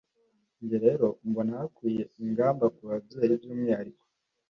njye rero mbona hakwiye ingamba ku babyeyi by'umwihariko,